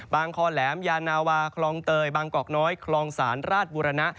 คอแหลมยานาวาคลองเตยบางกอกน้อยคลองศาลราชบุรณะ